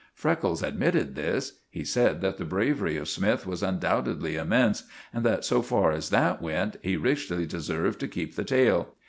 Freckles admitted this. He said that the bravery of Smythe was undoubtedly immense, and that, so far as that went, he richly deserved to keep the tail.